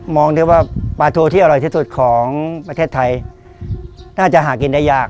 ได้ว่าปลาทูที่อร่อยที่สุดของประเทศไทยน่าจะหากินได้ยาก